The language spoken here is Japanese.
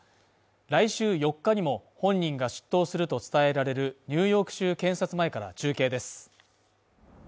来週４日にも、本人が出頭すると伝えられるニューヨーク州検察前から中継です。